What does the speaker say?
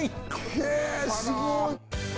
へぇすごい。